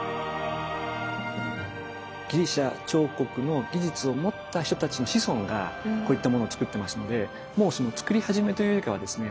ギリシャ彫刻の技術を持った人たちの子孫がこういったものをつくってますのでもうつくり始めというよりかはですね